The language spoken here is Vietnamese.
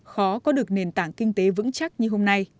khó có được nền tảng kinh tế vững chắc như hôm nay